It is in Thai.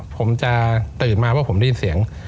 ผมจะตื่นมาเพราะผมได้ยินเสียง